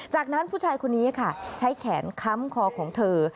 จากนั้นผู้ชายคนนี้ค่ะใช้แขนค้ำคอของเธอ